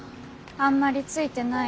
あんまりついてない？